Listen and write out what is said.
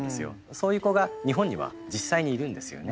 そういう子が日本には実際にいるんですよね。